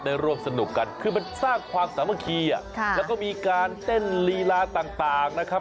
ร่วมสนุกกันคือมันสร้างความสามัคคีแล้วก็มีการเต้นลีลาต่างนะครับ